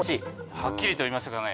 はっきりと言いましたからね。